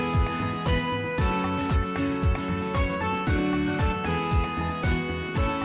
ในภาคฝั่งอันดามันนะครับ